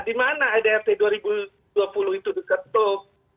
di mana adrt dua ribu dua puluh itu diketuk